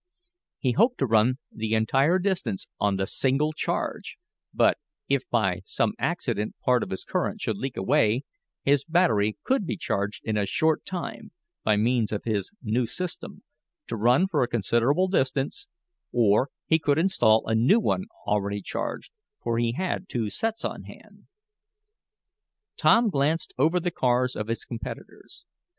He hoped to run the entire distance on the single charge, but, if by some accident part of his current should leak away, his battery could be charged in a short time, by means of his new system, to run for a considerable distance, or he could install a new one already charged, for he had two sets on hand. Tom glanced over the cars of his competitors.